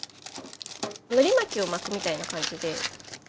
のり巻きを巻くみたいな感じで。